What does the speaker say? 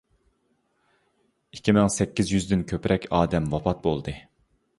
ئىككى مىڭ سەككىز يۈزدىن كۆپرەك ئادەم ۋاپات بولدى.